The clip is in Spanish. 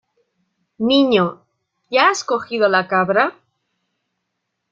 Niño, ¿ya has cogido la cabra?